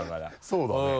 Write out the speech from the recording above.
そうだね。